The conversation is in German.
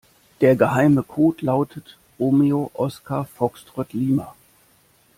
Der geheime Code lautet Romeo Oskar Foxtrott Lima.